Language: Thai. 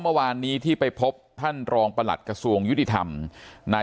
เมื่อวานนี้ที่ไปพบท่านรองประหลัดกระทรวงยุติธรรมใน